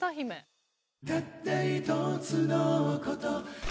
「たった一つのこと」